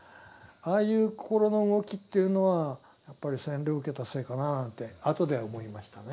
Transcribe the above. ああいうこころの動きというのはやっぱり洗礼を受けたせいかななんてあとで思いましたね。